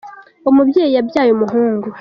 umubyeyi yabyaye umuhungu